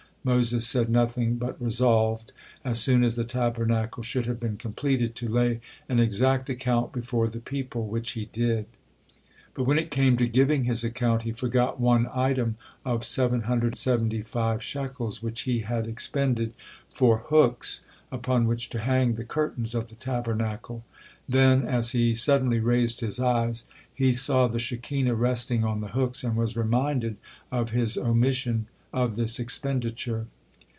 Moses said nothing, but resolved, as soon as the Tabernacle should have been completed, to lay an exact account before the people, which he did. But when it came to giving his account, he forgot one item of seven hundred seventy five shekels which he had expended for hooks upon which to hang the curtains of the Tabernacle. Then, as he suddenly raised his eyes, he saw the Shekinah resting on the hooks and was reminded of his omission of this expenditure.